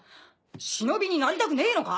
忍になりたくねえのか！？